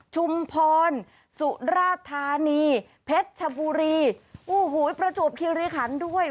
ชุมพรสุราชธานีเพชรชบุรีประจบคิริคันด้วย